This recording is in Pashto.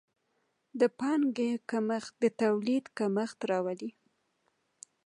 د پانګې کمښت د تولید کمښت راولي.